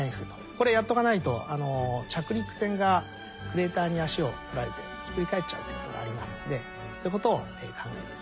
これやっとかないと着陸船がクレーターに足をとられてひっくり返っちゃうってことがありますんでそういうことを考えています。